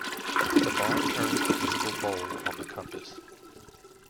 The bar turns the visible bowl of the compass.